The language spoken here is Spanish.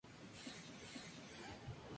Recibió su educación primaria en Estambul.